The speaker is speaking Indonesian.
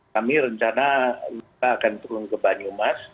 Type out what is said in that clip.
kami rencana kita akan turun ke banyumas